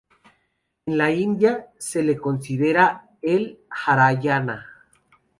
En la India se lo considera el de Haryana.